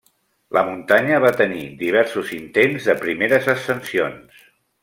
La muntanya va tenir diversos intents de primeres ascensions.